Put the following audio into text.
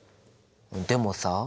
でもさ。